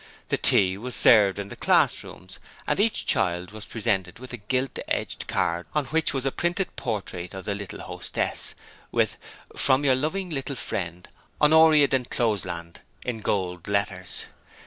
The tea was served in the schoolrooms and each child was presented with a gilt edged card on which was a printed portrait of the little hostess, with 'From your loving little friend, Honoria D'Encloseland', in gold letters.